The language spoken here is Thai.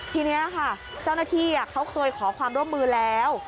ทีนี้ค่ะเจ้าหน้าที่เขาเคยขอความร่วมมือแล้ว